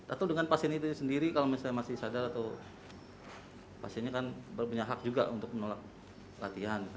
atau dengan pasien itu sendiri kalau misalnya masih sadar atau pasiennya kan punya hak juga untuk menolak latihan